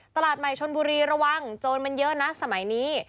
ตลาดใหม่ชนบุรีระวังโจรมันเยอะนะสมัยนี้